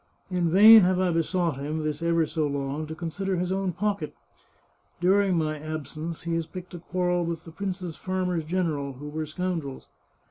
In vain have I besought him, this ever so long, to consider his own pocket. During my absence he has picked a quarrel with the prince's farmers general, who were scoundrels.